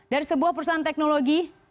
dari sebuah perusahaan teknologi